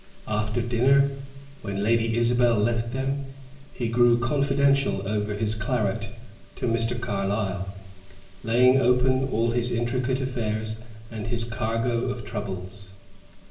After dinner, when Lady Isabel left them, he grew confidential over his claret to Mr. Carlyle, laying open all his intricate affairs and his cargo of troubles.